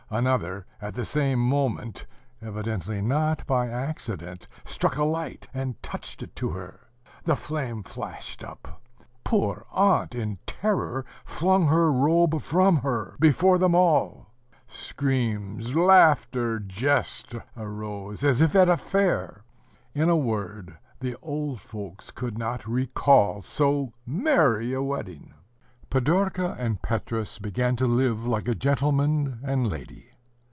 Another, at the same moment, evidently not by accident, struck a light, and touched it to her; ... the flame flashed up; poor aunt, in terror, flung her robe from her, before them all. ... Screams, laughter, jest, arose, as if at a fair. In a word, the old folks could not recall so merry a wedding. Pidorka and Petrus began to live like a gentleman and lady.